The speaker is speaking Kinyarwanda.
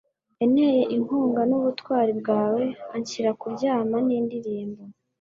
yanteye inkunga nubutwari bwawe, anshyira kuryama nindirimbo .